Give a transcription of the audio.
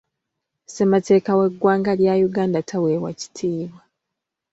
Ssemateeka w'eggwanga lya Uganda taweebwa kitiibwa.